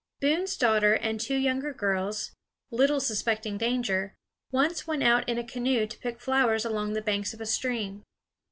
Boone's daughter and two younger girls, little suspecting danger, once went out in a canoe to pick flowers along the banks of a stream.